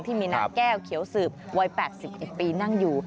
ที่มีนางแก้วเขียวสืบวัย๘๑ปีนั่งอยู่